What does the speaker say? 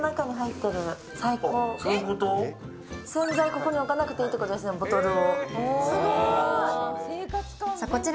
洗剤をここに置かなくていいということですね、ボトルを。